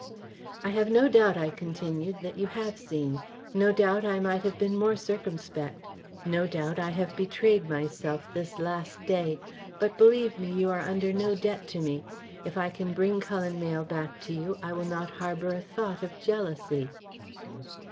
"I have no doubt," I continued, "that you have seen. No doubt I might have been more circumspect. No doubt I have betrayed myself this last day. But, believe me, you are under no debt to me. If I can bring Cullen Mayle back to you, I will not harbour a thought of jealousy."